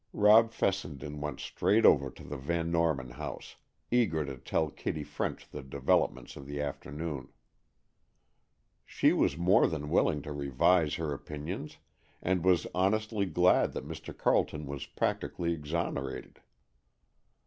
Rob Fessenden went straight over to the Van Norman house, eager to tell Kitty French the developments of the afternoon. She was more than willing to revise her opinions, and was honestly glad that Mr. Carleton was practically exonerated.